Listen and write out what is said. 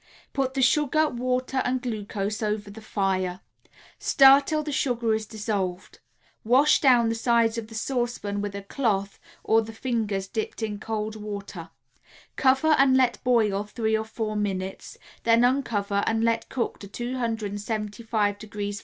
Put the sugar, water and glucose over the fire; stir till the sugar is dissolved; wash down the sides of the saucepan with a cloth or the fingers dipped in cold water, cover and let boil three or four minutes, then uncover and let cook to 275° F.